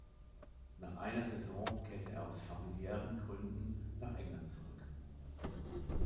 Nach einer Saison kehrte er aus familiären Gründen nach England zurück.